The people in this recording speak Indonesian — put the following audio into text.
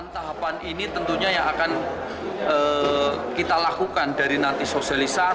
delapan tahapan ini tentunya yang akan kita lakukan dari nanti sosialisasi